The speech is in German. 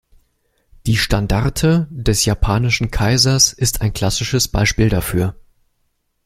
Die Standarte des japanischen Kaisers ist ein klassisches Beispiel dafür.